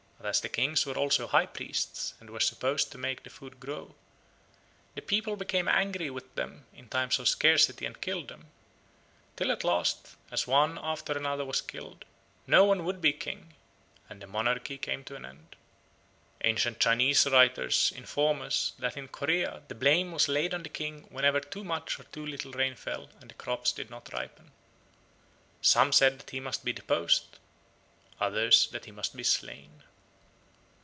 But as the kings were also high priests, and were supposed to make the food grow, the people became angry with them in times of scarcity and killed them; till at last, as one after another was killed, no one would be king, and the monarchy came to an end. Ancient Chinese writers inform us that in Corea the blame was laid on the king whenever too much or too little rain fell and the crops did not ripen. Some said that he must be deposed, others that he must be slain.